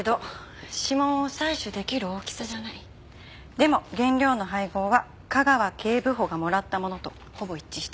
でも原料の配合は架川警部補がもらったものとほぼ一致してる。